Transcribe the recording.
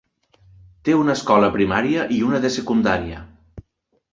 Té una escola primària i una de secundària.